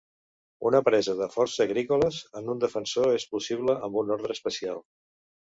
Una presa de força agrícoles en un defensor és possible amb un ordre especial.